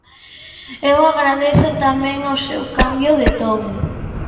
Eu agradezo tamén o seu cambio de ton.